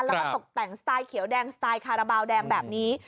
แล้วก็ตกแต่งสไตล์เขียวแดงสไตล์คาราบาลแดงแบบนี้